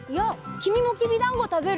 きみもきびだんごたべる？